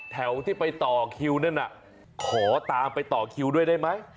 แถวที่ไปต่อคิวนั่นน่ะขอตามไปต่อคิวด้วยได้ไหม